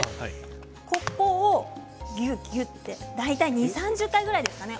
ここをぎゅっぎゅっと大体、２０回から３０回ぐらいですかね